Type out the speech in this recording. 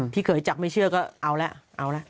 ที่เคยจับไม่เชื่อก็เอาแล้วเอาแล้ว